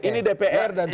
ini dpr dan cina